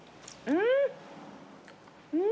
うん！